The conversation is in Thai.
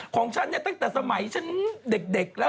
ของฉันเนี่ยตั้งแต่สมัยฉันเด็กแล้ว